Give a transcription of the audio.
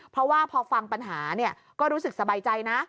เพราะว่าพอฟังปัญหาก็รู้สึกสบายใจนะ